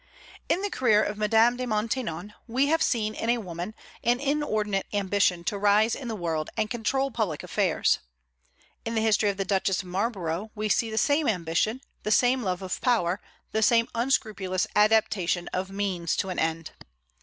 In the career of Madame de Maintenon we have seen in a woman an inordinate ambition to rise in the world and control public affairs. In the history of the Duchess of Marlborough, we see the same ambition, the same love of power, the same unscrupulous adaptation of means to an end.